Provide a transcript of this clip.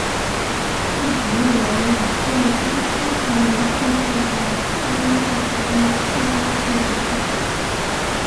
剧集内容以灌输青少年正确的性观念和两性关系为主。